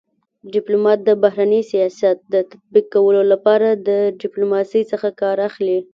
ډيپلومات دبهرني سیاست د تطبيق کولو لپاره د ډيپلوماسی څخه کار اخلي.